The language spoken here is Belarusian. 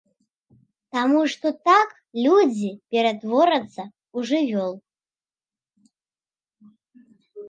Таму што так людзі ператворацца ў жывёл.